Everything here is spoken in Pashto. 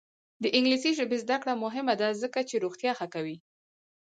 د انګلیسي ژبې زده کړه مهمه ده ځکه چې روغتیا ښه کوي.